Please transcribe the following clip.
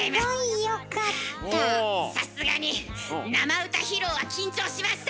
さすがに生歌披露は緊張しました！